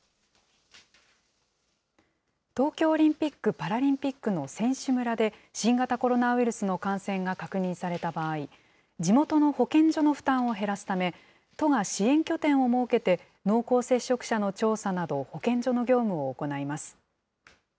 東京オリンピック・パラリンピックの選手村で、新型コロナウイルスの感染が確認された場合、地元の保健所の負担を減らすため、都が支援拠点を設けて、濃厚接触者の調査など、保健所の業務を行います。